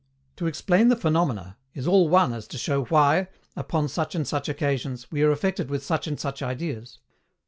To explain the PHENOMENA, is all one as to show why, upon such and such occasions, we are affected with such and such ideas.